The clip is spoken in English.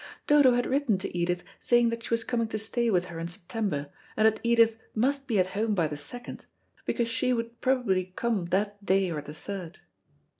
Dodo had written to Edith saying that she was coming to stay with her in September, and that Edith must be at home by the second, because she would probably come that day or the third.